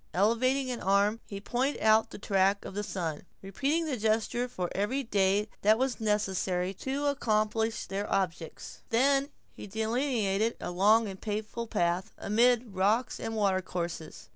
Elevating an arm, he pointed out the track of the sun, repeating the gesture for every day that was necessary to accomplish their objects. Then he delineated a long and painful path, amid rocks and water courses.